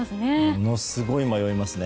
ものすごい迷いますね。